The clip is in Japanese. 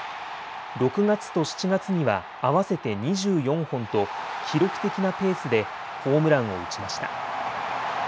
６月と７月には合わせて２４本と記録的なペースでホームランを打ちました。